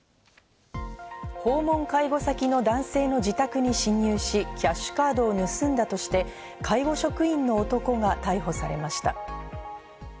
訪問介護先の男性の自宅に侵入し、キャッシュカードを盗んだとして介護職員の男が逮捕されました。